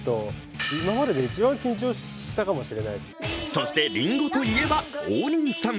そして、りんごといえば、王林さん。